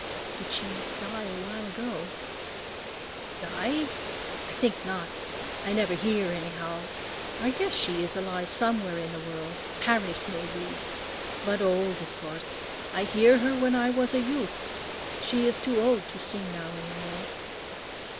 "Did she die a long while ago?" "Die? I think not. I never hear, anyhow. I guess she is alive somewhere in the world; Paris, may be. But old, of course. I hear her when I was a youth. She is too old to sing now any more."